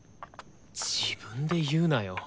自分で言うなよ。